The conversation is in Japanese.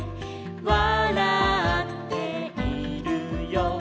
「わらっているよ」